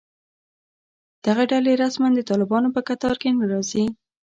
دغه ډلې رسماً د طالبانو په کتار کې نه راځي